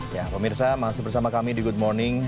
ya pemirsa masih bersama kami di good morning